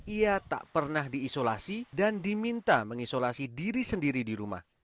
ia tak pernah diisolasi dan diminta mengisolasi diri sendiri di rumah